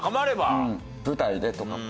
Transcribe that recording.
舞台でとかも。